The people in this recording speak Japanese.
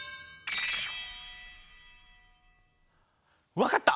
わかった！